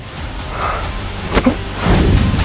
aku harus pergi dari sini